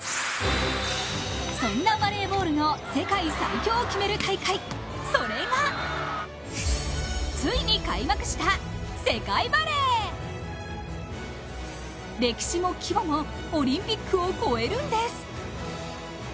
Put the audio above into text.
そんなバレーボールの世界最強を決める大会、それが、ついに開幕した世界バレー歴史も規模もオリンピックを超えるんです。